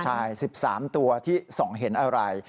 ใช่๑๓ตัวที่ส่องเห็นอะไร